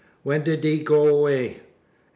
When did he go away? A.